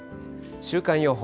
週間予報。